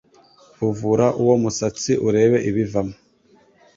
vuvura uwo musatsi urebe ibivamo